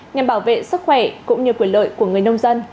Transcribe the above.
nhằm bảo vệ sức khỏe cũng như quyền lợi của người nông dân